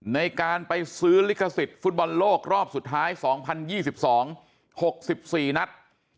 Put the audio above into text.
ในการไปซื้อลิขสิทธิ์ฟุตบอลโลกรอบสุดท้าย๒๐๒๒๖๔นัด